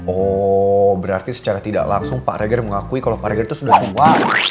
oh berarti secara tidak langsung pak reger mengakui kalau pak riger itu sudah tua